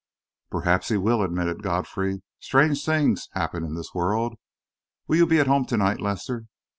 "Perhaps he will," admitted Godfrey. "Strange things happen in this world. Will you be at home to night, Lester?"